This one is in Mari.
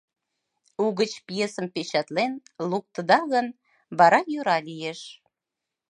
Угыч пьесым печатлен луктыда гын, вара йӧра лиеш...